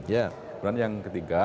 kemudian yang ketiga